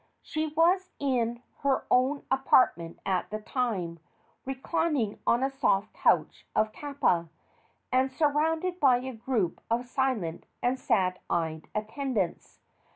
She was in her own apartment at the time, reclining on a soft couch of kapa, and surrounded by a group of silent and sad eyed attendants.